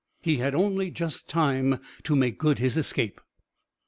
He had only just time to make good his escape.